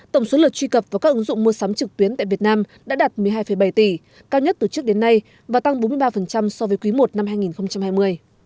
tổng số lượt truy cập vào các ứng dụng mua sắm trực tuyến tại việt nam đã đạt một mươi hai bảy tỷ cao nhất từ trước đến nay và tăng bốn mươi ba so với quý i năm hai nghìn hai mươi